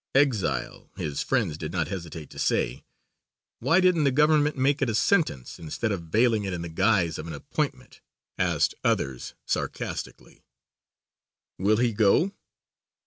"Exile," his friends did not hesitate to say. "Why didn't the Government make it a sentence instead of veiling it in the guise of an appointment?" asked others sarcastically. "Will he go?"